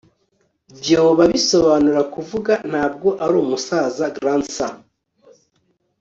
Vyoba bisobanura kuvuga Ntabwo ari umusaza Grandsir